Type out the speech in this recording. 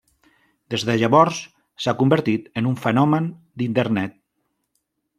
Des de llavors s'ha convertit en un fenomen d'internet.